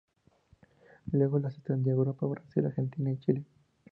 Luego las extendió a Europa, Brasil, Argentina, Chile.